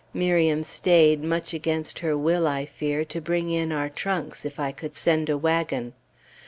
Miriam stayed, much against her will, I fear, to bring in our trunks, if I could send a wagon.